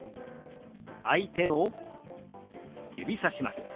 相手を指さします。